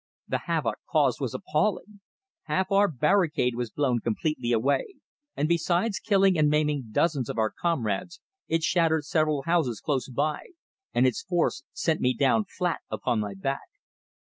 The havoc caused was appalling. Half our barricade was blown completely away, and besides killing and maiming dozens of our comrades, it shattered several houses close by, and its force sent me down flat upon my back.